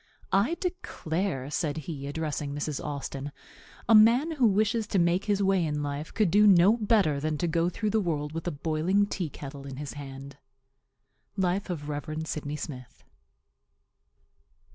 "I declare," said he, addressing Mrs. Austin, "a man who wishes to make his way in life could do no better than go through the world with a boiling tea kettle in his hand." Life of Rev. Sydney Smith. _DR.